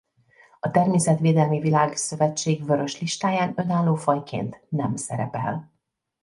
A Természetvédelmi Világszövetség Vörös listáján önálló fajként nem szerepel.